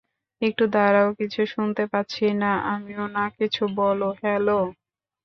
একটু দাড়াও কিছু শুনতে পাচ্ছি না আমিও না কিছু বলো হ্যালো?